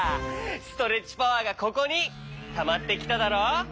ストレッチパワーがここにたまってきただろ！